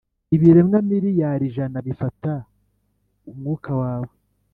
ibiremwa miliyari ijana bifata umwuka wawe